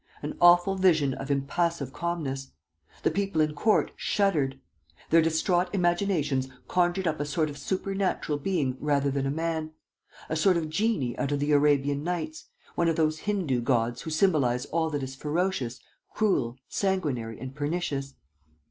An awful vision of impassive calmness! The people in court shuddered. Their distraught imaginations conjured up a sort of supernatural being rather than a man, a sort of genie out of the Arabian Nights, one of those Hindu gods who symbolize all that is ferocious, cruel, sanguinary and pernicious.